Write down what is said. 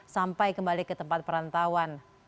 sampai kembali ke tempat perantauan